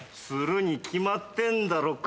するに決まってんだろ